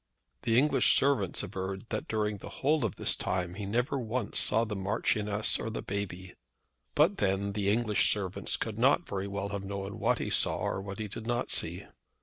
The English servants averred that during the whole of this time he never once saw the Marchioness or the baby; but then the English servants could not very well have known what he saw or what he did not see.